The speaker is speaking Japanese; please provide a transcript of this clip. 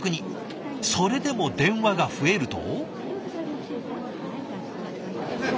それでも電話が増えると。